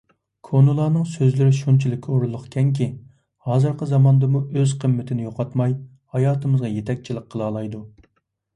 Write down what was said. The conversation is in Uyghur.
كونىلارنىڭ سۆزلىرى شۇنچىلىك ئورۇنلۇقكەنكى، ھازىرقى زاماندىمۇ ئۆز قىممىتىنى يوقاتماي، ھاياتىمىزغا يېتەكچىلىك قىلالايدۇ.